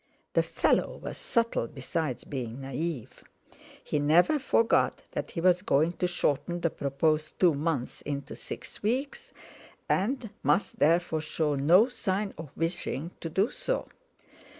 The fellow was subtle besides being naive. He never forgot that he was going to shorten the proposed two months into six weeks, and must therefore show no sign of wishing to do so.